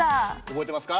覚えてますか？